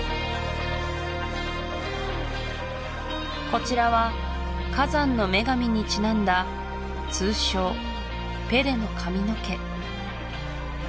こちらは火山の女神にちなんだ通称「ペレの髪の毛」